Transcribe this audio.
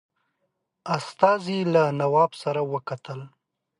استازي له نواب سره وکتل.